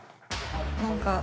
何か。